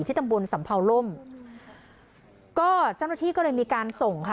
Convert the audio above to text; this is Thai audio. ตำบลสำเภาล่มก็เจ้าหน้าที่ก็เลยมีการส่งค่ะ